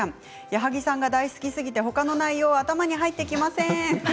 矢作さんが大好きすぎて他の内容が頭に入ってきません。